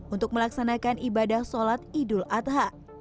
untuk melaksanakan ibadah sholat idul adha